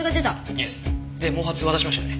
イエス。で毛髪渡しましたよね？